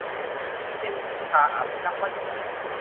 พิมพ์พิชชา อภิรักษ์มั่นคง